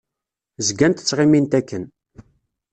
Zgant ttɣimint akken.